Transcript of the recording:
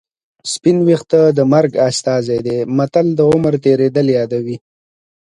سپین ویښته د مرګ استازی دی متل د عمر تېرېدل یادوي